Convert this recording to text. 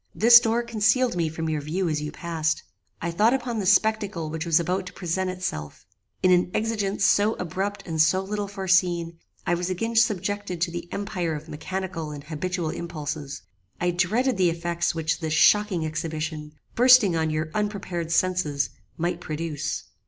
This door concealed me from your view as you passed. I thought upon the spectacle which was about to present itself. In an exigence so abrupt and so little foreseen, I was again subjected to the empire of mechanical and habitual impulses. I dreaded the effects which this shocking exhibition, bursting on your unprepared senses, might produce.